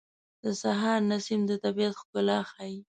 د سهار نسیم د طبیعت ښکلا ښیي.